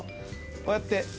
こうやって。